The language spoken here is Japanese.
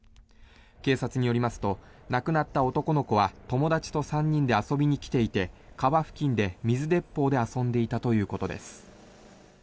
警察によりますと亡くなった男の子は友達と３人で遊びに来ていて川付近で水鉄砲で遊んでいたということです。